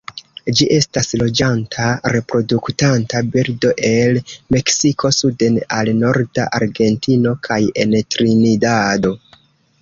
Ĝi estas loĝanta reproduktanta birdo el Meksiko suden al norda Argentino kaj en Trinidado.